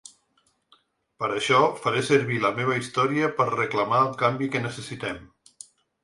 Per això faré servir la meva història per reclamar el canvi que necessitem.